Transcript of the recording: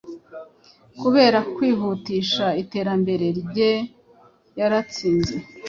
kubera kwihutisha iterambere rye yaratsinze